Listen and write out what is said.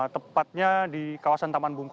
tepatnya di kawasan tanah